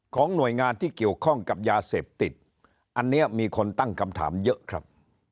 หน่วยงานที่เกี่ยวข้องกับยาเสพติดอันนี้มีคนตั้งคำถามเยอะครับ